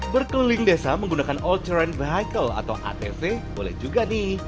berkeliling desa menggunakan all train vehicle atau atv boleh juga nih